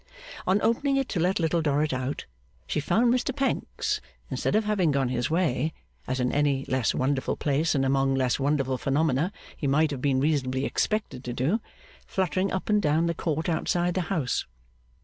On opening it to let Little Dorrit out, she found Mr Pancks, instead of having gone his way, as in any less wonderful place and among less wonderful phenomena he might have been reasonably expected to do, fluttering up and down the court outside the house.